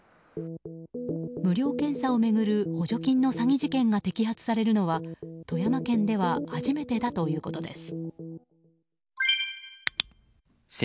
無料検査を巡る補助金の詐欺事件が摘発されるのは富山県では初めてだということです。